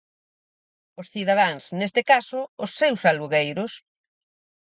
Os cidadáns, neste caso, os seus alugueiros.